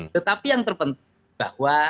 tetapi yang terpenting